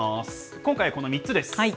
今回、この３つです。